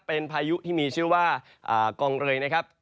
เป็นพายุที่มีชื่อว่ากองเรยนะครับ